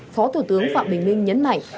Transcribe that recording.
phó thủ tướng phạm bình minh nhấn mạnh